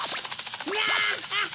ナッハハ！